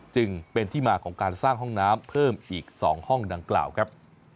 จึงเป็นที่มาของการสร้างห้องน้ำเพิ่มอีก๒ห้องดังกล่าวครับ